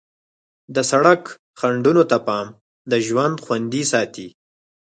د سړک خنډونو ته پام د ژوند خوندي ساتي.